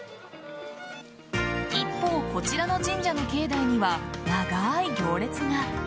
一方、こちらの神社の境内には長い行列が。